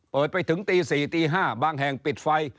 ไปถึงตี๔ตี๕บางแห่งปิดไฟ